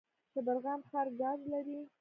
شبرغان ښار ګاز لري؟